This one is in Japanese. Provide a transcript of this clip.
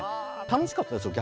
楽しかったですよ